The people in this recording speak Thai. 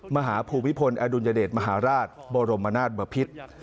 มหาภูมิพลอดุลยเดชมหาราชบรมนาศบพิษ